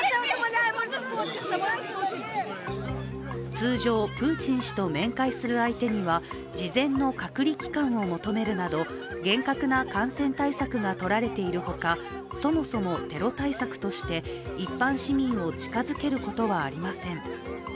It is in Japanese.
通常、プーチン氏と面会する相手には事前の隔離期間を求めるなど厳格な感染対策がとられているほか、そもそもテロ対策として一般市民を近づけることはありません。